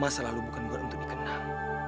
masa lalu bukan buat untuk dikenal